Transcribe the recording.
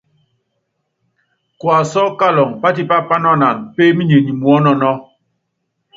Kuasú kaluŋɔ, patipá panuanan pééminenyi muɔ́nɔnɔ́.